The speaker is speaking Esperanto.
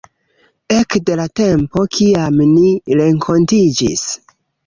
Ekde la tempo kiam ni renkontiĝis...